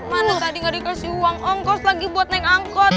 mana tadi nggak dikasih uang ongkos lagi buat naik angkot